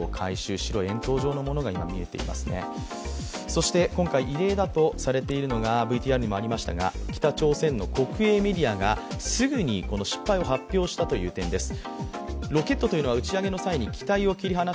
そして今回異例だとされているのが、ＶＴＲでもありましたが北朝鮮の国営メディアがすぐに失敗を発表したという点です。